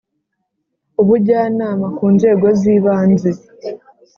Ubujyanama ku nzego z ibanze